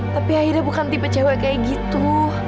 tapi aida bukan tipe cewek kayak gitu